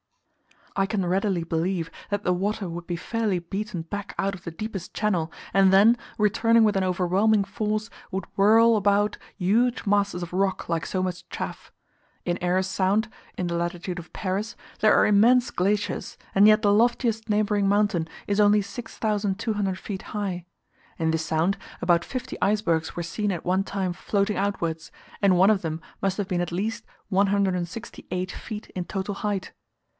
I can readily believe that the water would be fairly beaten back out of the deepest channel, and then, returning with an overwhelming force, would whirl about huge masses of rock like so much chaff. In Eyre's Sound, in the latitude of Paris, there are immense glaciers, and yet the loftiest neighbouring mountain is only 6200 feet high. In this Sound, about fifty icebergs were seen at one time floating outwards, and one of them must have been at least 168 feet in total height.